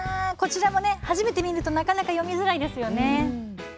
これも初めて見るとなかなか読みづらいですよね。